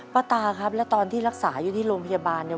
ตาครับแล้วตอนที่รักษาอยู่ที่โรงพยาบาลเนี่ย